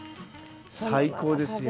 最高ですよ。